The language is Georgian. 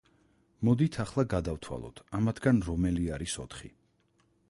მოდით, ახლა გადავთვალოთ ამათგან რომელი არის ოთხი?